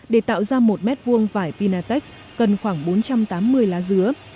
để tạo ra một mét vuông vải pinnatex cần khoảng bốn trăm tám mươi lá dứa